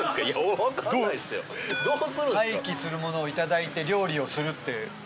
廃棄するものを頂いて料理をするって。